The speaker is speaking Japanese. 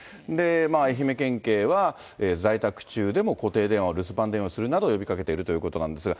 愛媛県警は、在宅中でも固定電話を留守番電話にすることなどを呼びかけているということなんですが。